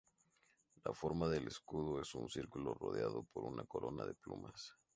La forma del escudo es un círculo rodeado por una corona de plumas.